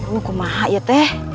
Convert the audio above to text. aku tidak ingat ya t